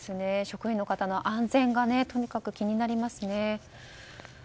職員の方の安全がとにかく気になりますね。